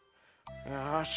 よし。